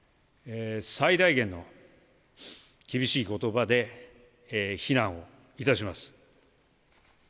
最大限の厳しいことばで非難をいたします。